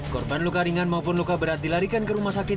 korban luka ringan maupun luka berat dilarikan ke rumah sakit